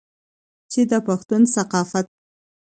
چې د پښتون ثقافت